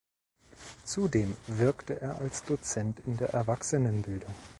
Zudem wirkte er als Dozent in der Erwachsenenbildung.